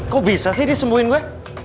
kok bisa sih disembuhin gue